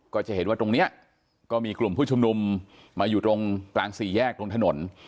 ก็จะเห็นว่าตรงนี้ก็มีกลุ่มผู้ชุมนุมมาอยู่ตรงกลางสี่แยกตรงถนน